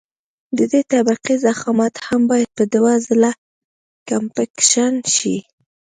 د دې طبقې ضخامت هم باید په دوه ځله کمپکشن شي